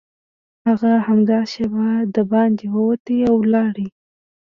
هغه همدا شېبه دباندې ووت او لاړ